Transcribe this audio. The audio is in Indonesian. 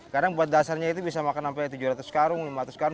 kadang buat dasarnya itu bisa makan sampai tujuh ratus karung lima ratus karung